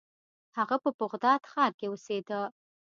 هغه په بغداد ښار کې اوسیده.